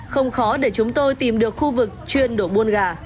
không khó để chúng tôi tìm được khu vực chuyên đổ buôn gà